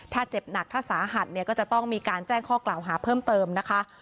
ถ้าเจ็บหนักถ้าสาหัสเนี่ยก็จะต้องมีการแจ้งข้อกล่าวหาเพิ่มเติมนะคะ